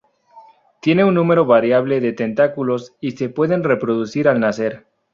Tienen un número variable de tentáculos y se pueden reproducir al nacer.